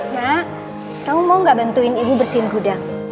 nak kamu mau gak bantuin ibu bersihin gudang